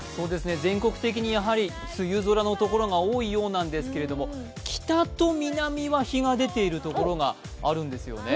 全国的にやはり梅雨空の所が多いようなんですけど北と南は日が出ているところがあるんですね。